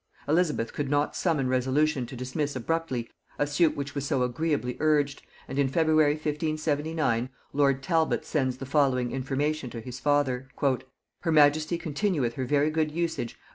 Elizabeth could not summon resolution to dismiss abruptly a suit which was so agreeably urged, and in February 1579 lord Talbot sends the following information to his father: "Her majesty continueth her very good usage of M.